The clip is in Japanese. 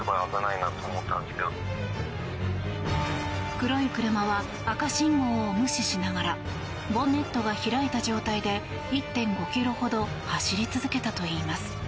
黒い車は赤信号を無視しながらボンネットが開いた状態で１．５ｋｍほど走り続けたといいます。